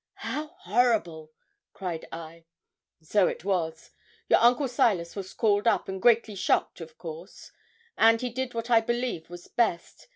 'How horrible!' cried I. 'So it was. Your uncle Silas was called up, and greatly shocked of course, and he did what I believe was best.